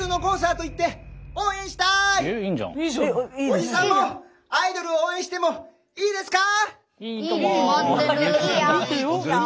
おじさんもアイドルを応援してもいいですか。